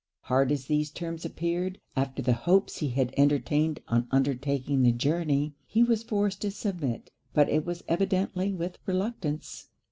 Hard as these terms appeared, after the hopes he had entertained on undertaking the journey, he was forced to submit; but it was evidently with reluctance.